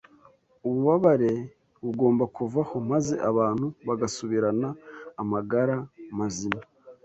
ububabare bugomba kuvaho maze abantu bagasubirana amagara mazima.